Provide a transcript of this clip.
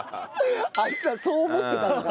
あいつはそう思ってたのか。